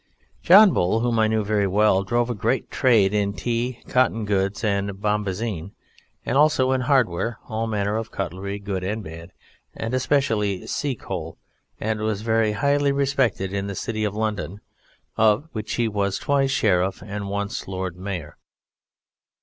John Bull, whom I knew very well, drove a great trade in tea, cotton goods, and bombazine, as also in hardware, all manner of cutlery, good and bad, and especially sea coal, and was very highly respected in the City of London, of which he was twice Sheriff and once Lord Mayor.